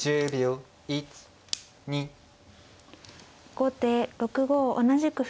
後手６五同じく歩。